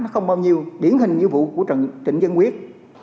nó không bao nhiêu biển hình như vụ của trận dân quyết